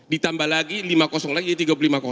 ditambah lagi lima lagi jadi tiga puluh lima